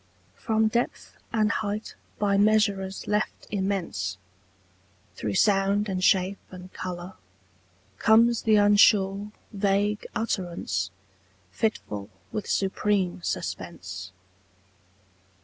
From depth and height by measurers left immense, Through sound and shape and colour, comes the unsure Vague utterance, fitful with supreme suspense.